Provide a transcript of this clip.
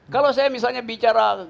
kalau saya misalnya bicara